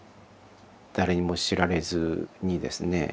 誰にも知られずにですね